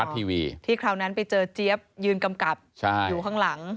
ทีวีที่คราวนั้นไปเจอเจี๊ยบยืนกำกับอยู่ข้างหลัง